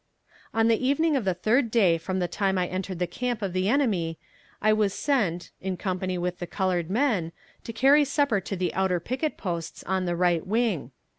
On the evening of the third day from the time I entered the camp of the enemy I was sent, in company with the colored men, to carry supper to the outer picket posts on the right wing.